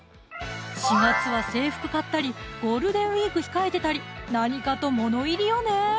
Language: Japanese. ４月は制服買ったりゴールデンウイーク控えてたりなにかと物入りよね！